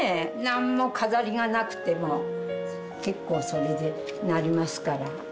何も飾りがなくても結構それでなりますから。